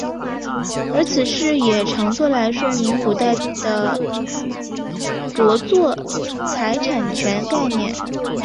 而此事也常作来说明古代的着作财产权概念。